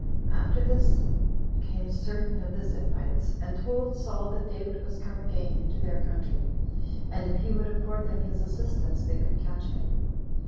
9. After this came certain of the Ziphites, and told Saul that David was come again into their country, and if he would afford them his assistance, they could catch him.